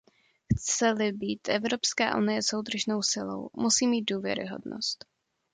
Chce-li být Evropská unie soudržnou silou, musí mít důvěryhodnost.